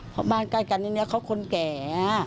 เพราะบ้านใกล้กันทีนี้เขาคนแก่